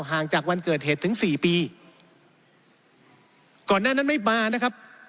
ห่างจากวันเกิดเหตุถึงสี่ปีก่อนหน้านั้นไม่มานะครับ